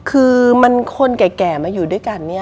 คือคนแก่มาอยู่ด้วยกัน